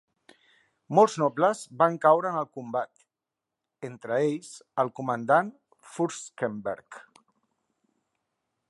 Molts nobles van caure en el combat, entre ells el comandant Fürstenberg.